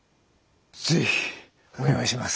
是非お願いします。